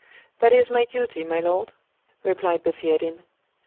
"That is my duty, my lord," replied the Theatin.